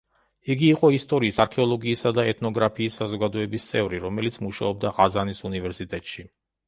იგი იყო ისტორიის, არქეოლოგიისა და ეთნოგრაფიის საზოგადოების წევრი, რომელიც მუშაობდა ყაზანის უნივერსიტეტში.